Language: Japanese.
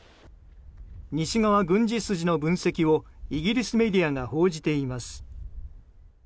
西側軍事筋の分析をイギリスメディアが報じています。